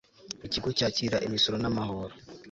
ikigo cyakira imisoro n'amahoro